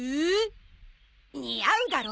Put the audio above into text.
「似合う」だろ！